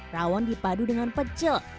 rawon dipadu dengan pecel